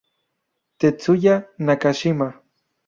Tetsuya Nakashima